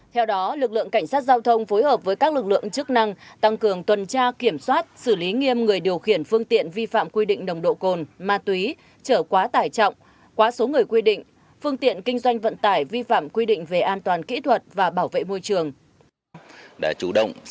theo đó lực lượng cảnh sát giao thông phối hợp với các lực lượng chức năng tăng cường tuần tra kiểm soát xử lý nghiêm người điều khiển phương tiện vi phạm quy định nồng độ cồn ma túy trở quá tải trọng quá số người quy định phương tiện kinh doanh vận tải vi phạm quy định về an toàn kỹ thuật và bảo vệ môi trường